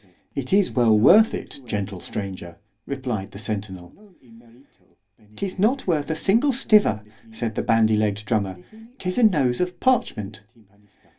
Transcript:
It is well worth it, gentle stranger, replied the centinel. ——'Tis not worth a single stiver, said the bandy legg'd drummer——'tis a nose of parchment.